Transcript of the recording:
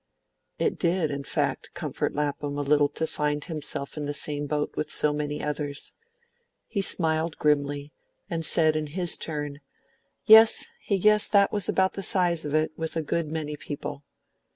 It did, in fact, comfort Lapham a little to find himself in the same boat with so many others; he smiled grimly, and said in his turn, yes, he guessed that was about the size of it with a good many people.